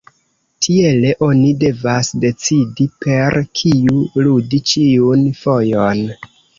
Tiele oni devas decidi per kiu ludi ĉiun fojon.